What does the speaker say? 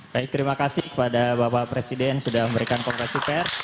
baik terima kasih kepada bapak presiden sudah memberikan konversi pers